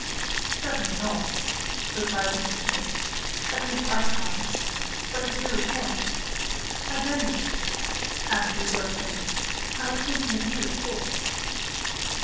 "Certainly not," replied Mr. Smith. "At least, I can't. But if you repent " "I don't," Annesley broke in. "I was thinking of you, of course."